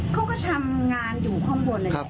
เขาก็ทำงานอยู่ข้างบนนะครับ